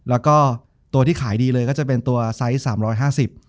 แล้วก็ตัวที่ขายดีเลยก็จะเป็นตัวไซส์๓๕๐